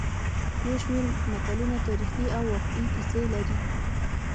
یو شمېر متلونه تاریخي او واقعي کیسې لري